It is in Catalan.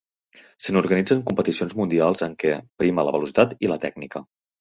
Se n'organitzen competicions mundials en què prima la velocitat i la tècnica.